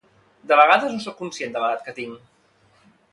De vegades no soc conscient de l'edat que tinc